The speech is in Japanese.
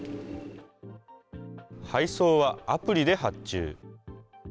配送はアプリで発注。